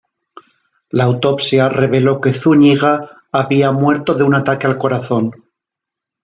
La autopsia reveló que Zúñiga había muerto de un ataque al corazón.